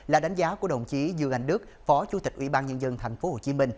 là đánh giá của đồng chí dương anh đức phó chủ tịch ủy ban nhân dân tp hcm